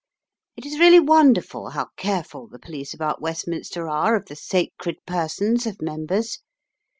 It is really wonderful how careful the police about Westminster are of the sacred persons of members.